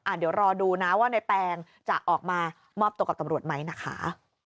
เดี๋ยวรอดูนะว่าในแปงจะออกมามอบตัวกับตำรวจไหมนะคะ